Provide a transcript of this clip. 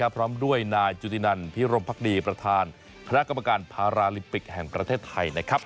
พร้อมด้วยนายจุตินันพิรมพักดีประธานคณะกรรมการพาราลิมปิกแห่งประเทศไทยนะครับ